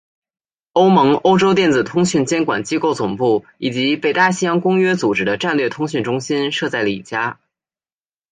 欧盟欧洲电子通讯监管机构总部以及北大西洋公约组织的战略通讯中心设在里加。